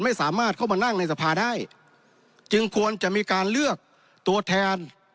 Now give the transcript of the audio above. ไม่สามารถเข้ามานั่งในสภาได้จึงควรจะมีการเลือกตัวแทน